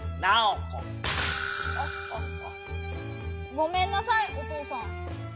ごめんなさいお父さん。